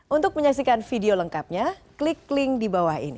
untuk menyaksikan video lengkapnya klik link di bawah ini